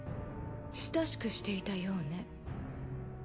親しくしていたようね。